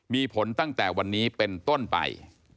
มีผลตั้งแต่วันนี้เป็นต้นไป